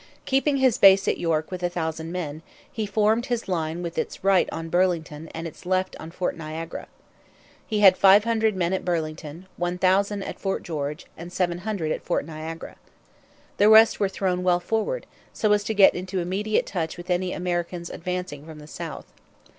Keeping his base at York with a thousand men, he formed his line with its right on Burlington and its left on Fort Niagara. He had 500 men at Burlington, 1,000 at Fort George, and 700 at Fort Niagara. The rest were thrown well forward, so as to get into immediate touch with any Americans advancing from the south.